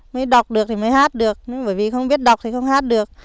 mới đọc được thì mới hát được bởi vì không biết đọc thì không hát được